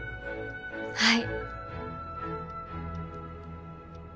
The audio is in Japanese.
はい。